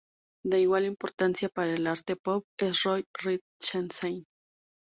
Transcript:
De igual importancia para el arte pop es Roy Lichtenstein.